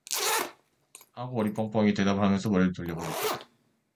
하고 어리뻥뻥하게 대답을 하면서 머리를 돌려 버렸다.